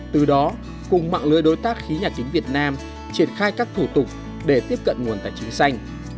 từ đó cùng mạng lưới đối tác khí nhà kính việt nam triển khai các thủ tục để tiếp cận nguồn tài chính xanh